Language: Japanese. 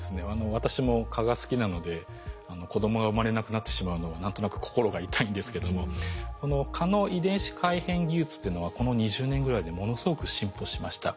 私も蚊が好きなので子どもが生まれなくなってしまうのは何となく心が痛いんですけどもこの蚊の遺伝子改変技術というのはこの２０年ぐらいでものすごく進歩しました。